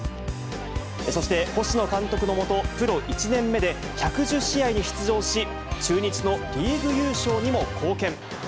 そして星野監督のもと、プロ１年目で１１０試合に出場し、中日のリーグ優勝にも貢献。